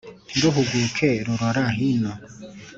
Ntiruhuguke rurora hino,